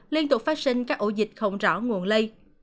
liên tục phát sinh các ổ dịch không rõ nguồn lây